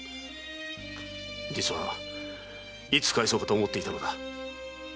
実はいつ返そうかと思っていたのだ。